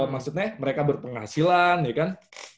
maksudnya mereka berpenghasilan ya kan